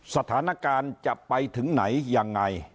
สถานการณ์จะไปถึงไหนยังไง